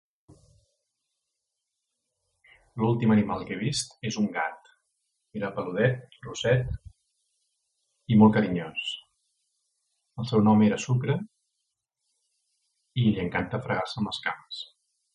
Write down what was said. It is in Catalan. L'últim animal que he vist és un gat. Era peludet, grosset i molt carinyós. El seu nom era Sucre i li encanta fregar-se en les cames.